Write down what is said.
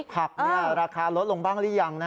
ผักเนี่ยราคาลดลงบ้างหรือยังนะฮะ